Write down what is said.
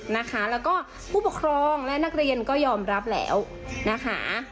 แล้วก็ผู้ปกครองและนักเรียนก็ยอมรับแล้วนะคะ